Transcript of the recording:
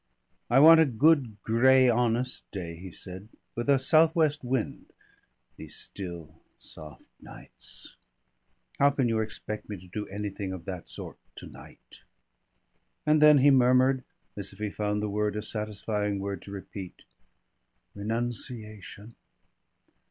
"I want a good, gray, honest day," he said, "with a south west wind.... These still, soft nights! How can you expect me to do anything of that sort to night?" And then he murmured as if he found the word a satisfying word to repeat, "Renunciation."